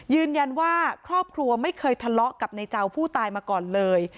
ยืนยันว่าครอบครัวไม่เคยทะเลาะกับในเจ้าผู้ตายมาก่อนเลย